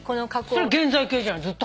それ現在形じゃない。